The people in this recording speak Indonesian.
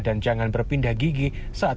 dan jangan berpindah gigi saat kondisi kendaraan